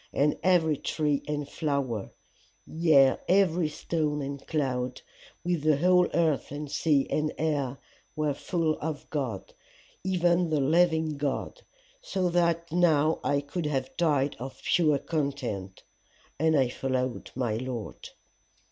And every tree and flower, yea every stone and cloud, with the whole earth and sea and air, were full of God, even the living God so that now I could have died of pure content. And I followed my Lord.